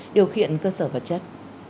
điều khiện cơ sở vật chất